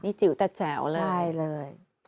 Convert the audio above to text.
นี่จิ๋วแต่แจ๋วเลย